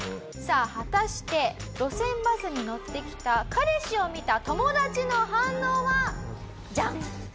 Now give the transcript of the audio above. さあ果たして路線バスに乗ってきた彼氏を見た友達の反応はジャン！